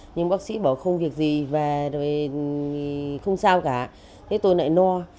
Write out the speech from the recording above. nhưng bác sĩ bảo không việc gì và không sao cả tôi lại no